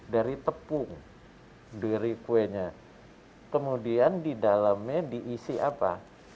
dari tepung dari kuenya kemudian di dalamnya diisi apa